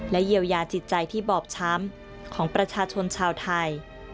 เยียวยาจิตใจที่บอบช้ำของประชาชนชาวไทย